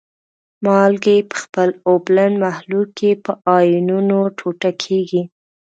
مالګې په خپل اوبلن محلول کې په آیونونو ټوټه کیږي.